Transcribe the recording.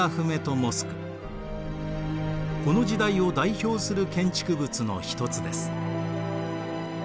この時代を代表する建築物の一つです。